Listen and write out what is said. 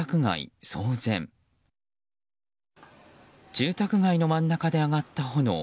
住宅街の真ん中で上がった炎。